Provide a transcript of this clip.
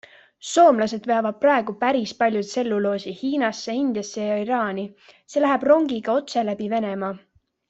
Soomlased veavad praegu päris palju tselluloosi Hiinasse, Indiasse ja Iraani, see läheb rongiga otse läbi Venemaa.